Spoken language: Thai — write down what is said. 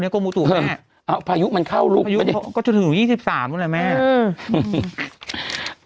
กรมอุตุกแม่เอ้าพายุมันเข้าลูกก็จะถึงยี่สิบสามนึงแหละแม่เออ